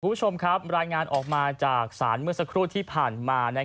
คุณผู้ชมครับรายงานออกมาจากศาลเมื่อสักครู่ที่ผ่านมา